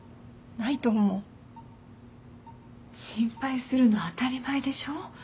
心配するの当たり前でしょ？